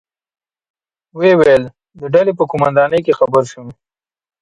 ویې ویل: د ډلې په قومندانۍ کې خبر شوم.